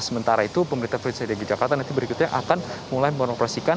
sementara itu pemerintah provinsi dki jakarta nanti berikutnya akan mulai mengoperasikan